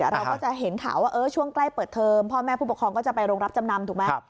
เราก็จะเห็นข่าวว่าช่วงใกล้เปิดเทอมพ่อแม่ผู้ปกครองก็จะไปโรงรับจำนำถูกไหม